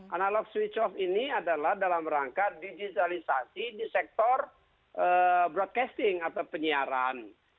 analog switch off ini adalah dalam rangka digitalisasi di sektor broadcasting atau penyiaran